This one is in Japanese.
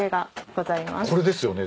これですよね？